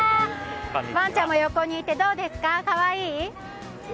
ワンちゃんも横にいて、どうですか、かわいい？